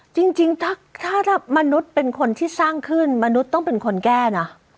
จริงถ้ามนุษย์เป็นคนที่สร้างขึ้นมนุษย์ต้องเป็นคนแก้นะ